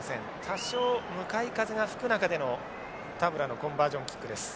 多少向かい風が吹く中での田村のコンバージョンキックです。